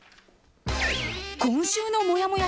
今週のもやもや